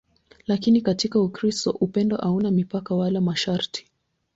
Lakini katika Ukristo upendo hauna mipaka wala masharti.